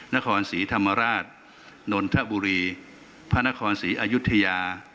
นครศรีธรรมราชนนทบุรีพระนครศรีอายุทยา